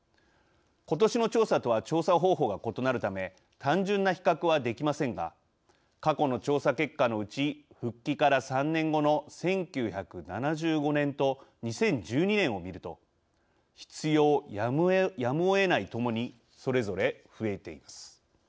ことしの調査とは調査方法が異なるため単純な比較はできませんが過去の調査結果のうち復帰から３年後の１９７５年と２０１２年を見ると必要、やむをえないともにそれぞれ増えています。